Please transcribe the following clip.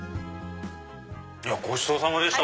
ごちそうさまでした。